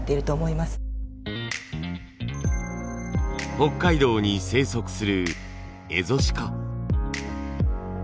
北海道に生息するエゾシカ。